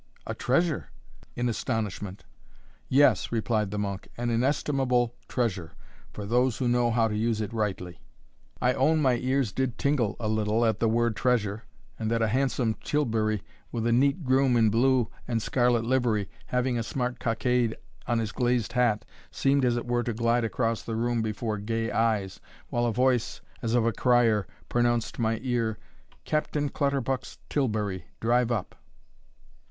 "A treasure!" echoed I, in astonishment. "Yes," replied the monk, "an inestimable treasure, for those who know how to use it rightly." I own my ears did tingle a little at the word treasure, and that a handsome tilbury, with a neat groom in blue and scarlet livery, having a smart cockade on his glazed hat, seemed as it were to glide across the room before gay eyes, while a voice, as of a crier, pronounced my ear, "Captain Clutterbuck's tilbury drive up."